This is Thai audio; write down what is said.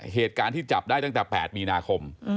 เหตุการณ์ที่จับได้ตั้งแต่๘มีนาคม